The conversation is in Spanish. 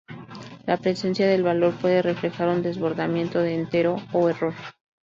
La presencia del valor puede reflejar un desbordamiento de entero, o error.